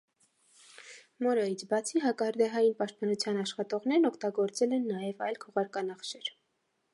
Մորոյից բացի հակահրդեհային պաշտպանության աշխատողներն օգտագործել են նաև այլ քողարկանախշեր։